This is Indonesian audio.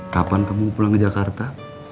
kapan kamu pulang ke jakarta